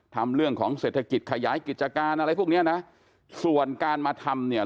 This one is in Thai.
ทำเรื่องของเศรษฐกิจขยายกิจการอะไรพวกเนี้ยนะส่วนการมาทำเนี่ย